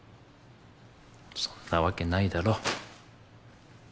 そんなわけないだろ